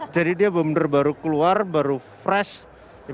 jadi dia bener bener baru keluar baru fresh